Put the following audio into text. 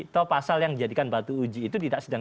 atau pasal yang dijadikan batu uji itu tidak sedang